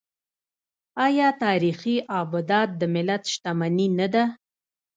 آیا تاریخي ابدات د ملت شتمني نه ده؟